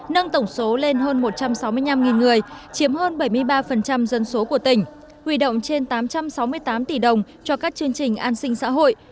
nâng tổng số lên hơn một trăm sáu mươi năm người chiếm hơn bảy mươi ba dân số của tỉnh hủy động trên tám trăm sáu mươi tám tỷ đồng cho các chương trình an sinh xã hội